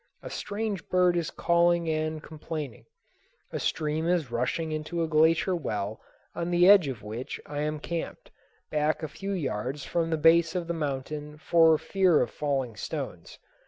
A strange bird is calling and complaining. A stream is rushing into a glacier well on the edge of which I am camped, back a few yards from the base of the mountain for fear of falling stones.